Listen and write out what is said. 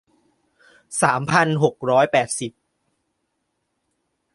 สามพันหกร้อยแปดสิบ